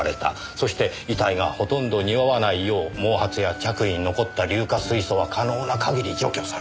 そして遺体がほとんど臭わないよう毛髪や着衣に残った硫化水素は可能な限り除去されて。